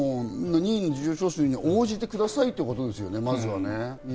任意の事情聴取にまずは応じてくださいってことですよね。